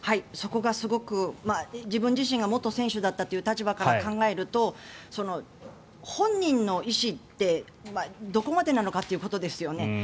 そこがすごく自分自身が元選手だったという立場から考えると本人の意思ってどこまでなのかってことですよね。